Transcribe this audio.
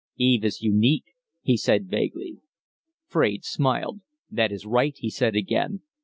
"Eve is unique," he said, vaguely. Fraide smiled. "That is right," he said again.